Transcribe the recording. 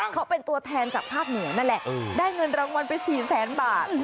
เขาเป็นตัวแทนจากภาคเหนือนั่นแหละได้เงินรางวัลไป๔แสนบาท